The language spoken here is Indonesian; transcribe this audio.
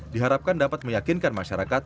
diharapkan dapat meyakinkan masyarakat